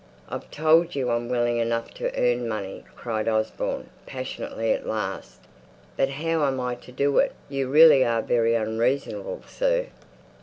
"I've told you I'm willing enough to earn money," cried Osborne, passionately at last. "But how am I to do it? You really are very unreasonable, sir."